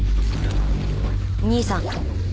兄さん